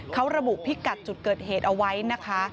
เขาระบุพิกัดจุดเกิดเหตุเอาไว้นะคะ